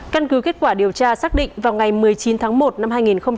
căn cứ kết quả điều tra xác định vào ngày một mươi chín tháng một năm hai nghìn hai mươi